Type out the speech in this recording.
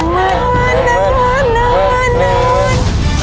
ยังไม่